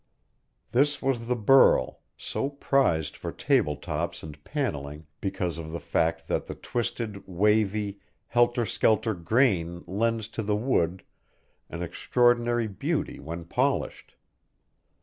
This was the burl, so prized for table tops and panelling because of the fact that the twisted, wavy, helter skelter grain lends to the wood an extraordinary beauty when polished.